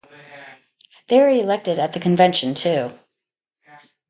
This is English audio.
They are elected at the convention too.